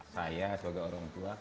saya sebagai orang tua